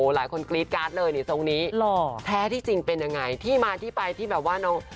หลายคนกรี๊ดการ์ดเลยนี่ทรงนี้หล่อแท้ที่จริงเป็นยังไงที่มาที่ไปที่แบบว่าน้อง